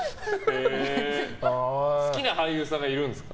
好きな俳優さんっているんですか？